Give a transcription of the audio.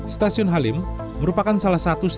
stasiun halim merupakan salah satu stasiun